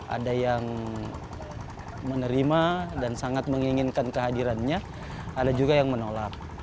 ada yang menerima dan sangat menginginkan kehadirannya ada juga yang menolak